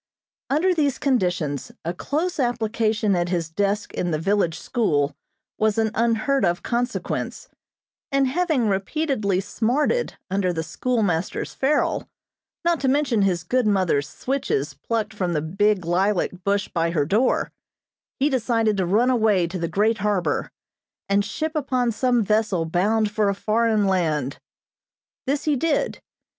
Under these conditions a close application at his desk in the village school was an unheard of consequence; and, having repeatedly smarted under the schoolmaster's ferule, not to mention his good mother's switches plucked from the big lilac bush by her door, he decided to run away to the great harbor, and ship upon some vessel bound for a foreign land. This he did.